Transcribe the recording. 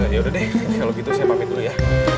yaudah deh kalau gitu saya pake dulu ya